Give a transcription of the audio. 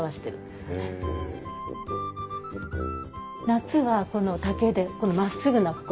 夏はこの竹でこの真っすぐな心。